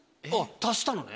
足したのね？